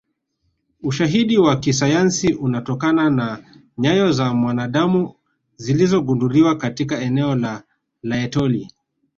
Ushahidi wa kisayansi unatokana na nyayo za mwanadamu zilizogunduliwa katika eneo la Laetoli